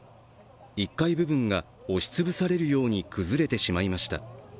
１階部分が押しつぶされるように崩れてしまいました。